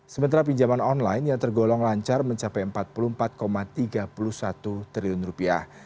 sementara pinjaman online yang tergolong lancar mencapai empat puluh empat tiga puluh satu triliun rupiah